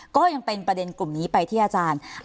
ก็ยังเป็นประเด็นกลุ่มนี้ไปที่อาจารย์